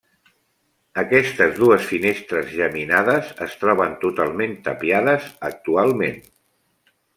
Aquestes dues finestres geminades es troben totalment tapiades actualment.